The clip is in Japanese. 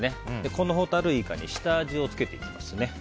このホタルイカに下味をつけていきます。